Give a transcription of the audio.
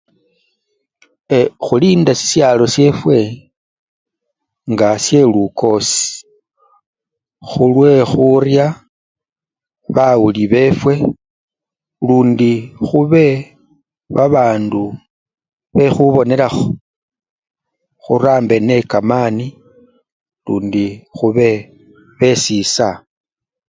E! khulinda sisyalo syefwe nga syelukosi khulwekhurya bawuli befwe lundi khube babandu bekhubonelakho, khurambe nekamani lundi khube besisa.